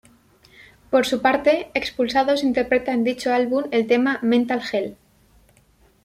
Por su parte Expulsados interpreta en dicho álbum el tema ""Mental Hell"".